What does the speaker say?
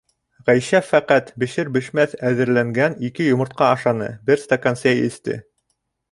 Ғәйшә фәҡәт бешер-бешмәҫ әҙерләнгән ике йомортҡа ашаны, бер стакан сәй эсте.